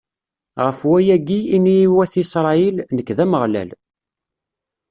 ɣef wayagi, ini i wat Isṛayil: Nekk, d Ameɣlal.